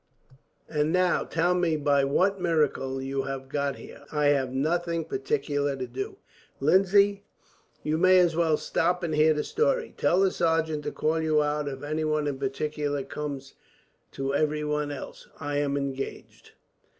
"And now, tell me by what miracle you have got here. I have nothing particular to do. "Lindsay, you may as well stop and hear the story. Tell the sergeant to call you out if any one in particular comes; to everyone else, I am engaged.